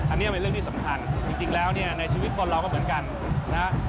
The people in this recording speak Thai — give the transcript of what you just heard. อันนี้เป็นเรื่องที่สำคัญจริงแล้วเนี่ยในชีวิตคนเราก็เหมือนกันนะฮะ